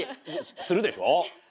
するでしょ？